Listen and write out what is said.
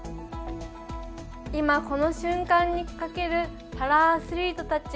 今、この瞬間にかけるパラアスリートたち